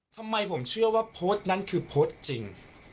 ทำไมผมเชื่อว่าโพสต์นั้นคือโพสต์จริง